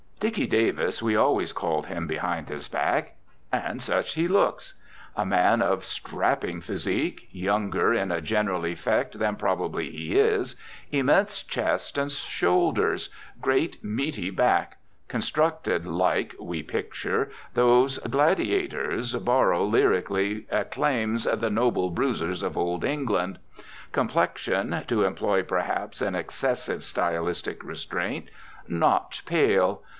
"Dicky" Davis we always called him behind his back. And such he looks. A man of "strapping" physique, younger in a general effect than probably he is; immense chest and shoulders, great "meaty" back; constructed like (we picture) those gladiators Borrow lyrically acclaims the "noble bruisers of old England"; complexion, (to employ perhaps an excessive stylistic restraint) not pale.